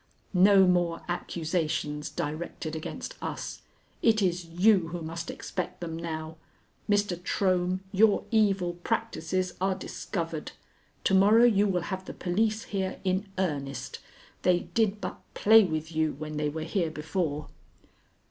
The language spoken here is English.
"No more accusations directed against us. It is you who must expect them now. Mr. Trohm, your evil practices are discovered. To morrow you will have the police here in earnest. They did but play with you when they were here before."